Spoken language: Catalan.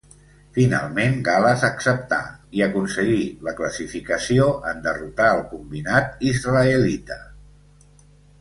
Finalment Gal·les acceptà i aconseguí la classificació en derrotar el combinat israelita.